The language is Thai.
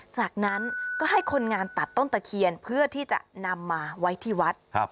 จากนั้นก็ให้คนงานตัดต้นตะเคียนเพื่อที่จะนำมาไว้ที่วัด